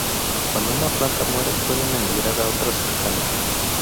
Cuando una planta muere suelen emigrar a otras cercanas.